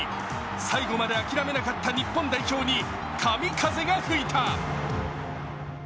最後まで諦めなかった日本代表に神風が吹いた。